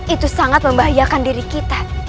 itu sangat membahayakan diri kita